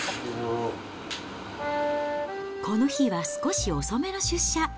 この日は少し遅めの出社。